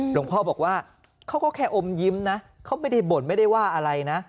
หลวงพ่อบอกว่าเขาก็แค่อมยิ้มนะเขาไม่ได้บ่นไม่ได้ว่าอะไรนะ